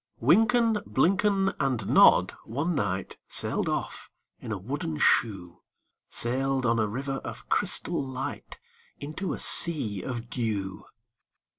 Wynken, Blynken, and Nod one night Sailed off in a wooden shoe,— Sailed on a river of crystal light Into a sea of dew.